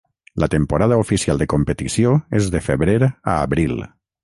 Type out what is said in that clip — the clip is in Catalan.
La temporada oficial de competició és de febrer a abril.